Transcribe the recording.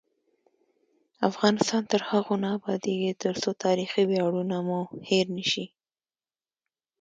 افغانستان تر هغو نه ابادیږي، ترڅو تاریخي ویاړونه مو هیر نشي.